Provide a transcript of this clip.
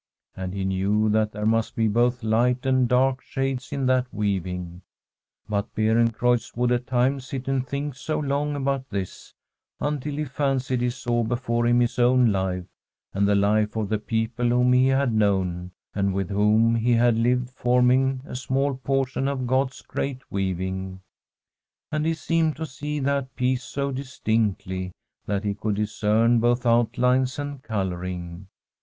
And he knew that there must be both light and dark shades in that weaving. But Beer encreutz would at times sit and think so long about this, until he fancied he saw before him his own life and the life of the people whom he had known, and with whom he had lived, forming a small portion of God's great weaving; and he seemed to see that piece so distinctly that he could discern both outlines and colouring.